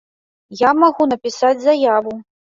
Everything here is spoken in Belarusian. Я магу напісаць заяву.